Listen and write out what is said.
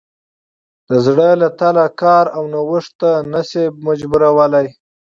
د زړه له تله کار او نوښت ته نه شي مجبورولی.